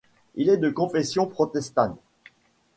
Il est de confession protestante.